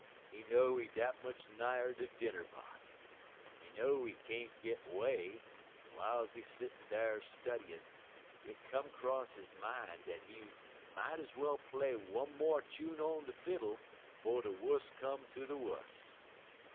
_ he know he dat much nigher de dinner pot. He know he can't git 'way, en w'iles he settin' dar studyin', hit come 'cross he min' dat he des mought ez well play one mo' chune on he fiddle 'fo' de wuss come ter de wuss.